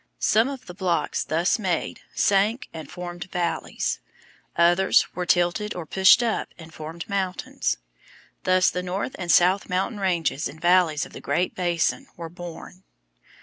Some of the blocks thus made sank and formed valleys; others were tilted or pushed up and formed mountains. Thus the north and south mountain ranges and valleys of the Great Basin were born.